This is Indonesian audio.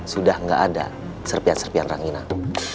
sudah gak ada serpian serpian ranginang